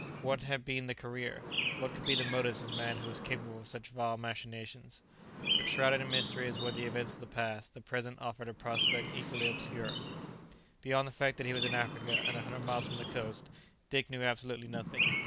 What had been the career, what could be the motives of a man who was capable of such vile machinations? But shrouded in mystery as were the events of the past, the present offered a prospect equally obscure. Beyond the fact that he was in Africa and a hundred miles from the coast, Dick knew absolutely nothing.